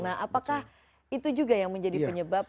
nah apakah itu juga yang menjadi penyebab